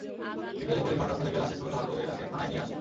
বিকেলে পুলিশ ঘটনাস্থলে গিয়ে লাশের সুরতহাল করে লাশটি থানায় নিয়ে আসে।